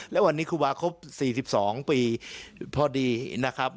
แล้ววันนี้ครูบาครบ๔๒ปีพอดีนะครับ